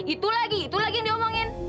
itu lagi itu lagi yang diomongin